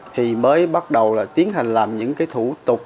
thì mới bắt đầu tiến hành làm những thủ tục